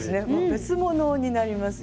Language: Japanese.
別物になりますよね。